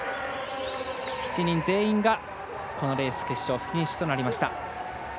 ７人全員がこのレース、決勝フィニッシュとなりました。